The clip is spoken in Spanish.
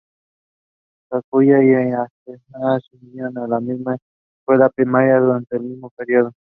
Sakura y Hasegawa asistieron a la misma escuela primaria durante el mismo período.